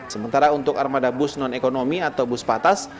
sementara untuk armada bus non ekonomi atau bus patas